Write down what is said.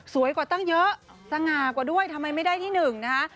กว่าตั้งเยอะสง่ากว่าด้วยทำไมไม่ได้ที่หนึ่งนะคะ